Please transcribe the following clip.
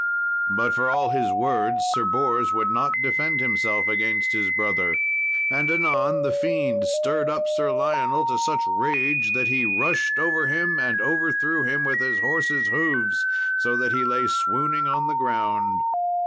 But for all his words Sir Bors would not defend himself against his brother. And anon the fiend stirred up Sir Lionel to such rage, that he rushed over him and overthrew him with his horse's hoofs, so that he lay swooning on the ground.